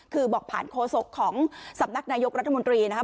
คือบอกผ่านโฆษกของสำนักนายกรัฐมนตรีนะครับ